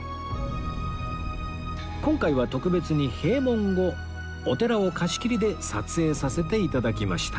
今回は特別に閉門後お寺を貸し切りで撮影させていただきました